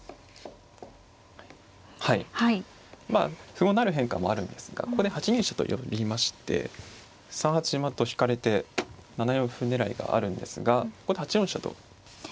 歩を成る変化もあるんですがここで８二飛車と寄りまして３八馬と引かれて７四歩狙いがあるんですがここで８四飛車と。